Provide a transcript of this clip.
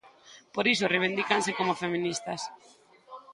Por iso reivindícanse como feministas.